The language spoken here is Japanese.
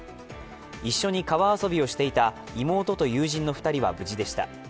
一緒に川遊びをしていた妹と友人の２人は無事でした。